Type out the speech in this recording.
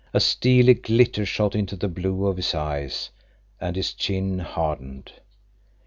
A steely glitter shot into the blue of his eyes, and his chin hardened.